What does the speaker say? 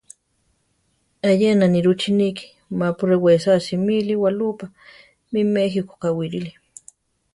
Ayena nirú chiníki mapu rewésa simili walúpa mí méjiko kawírili.